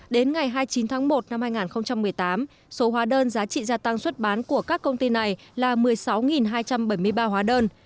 đến ngày hai mươi chín tháng một năm hai nghìn một mươi tám số hóa đơn giá trị gia tăng xuất bán của các công ty này là một mươi sáu hai trăm bảy mươi ba hóa đơn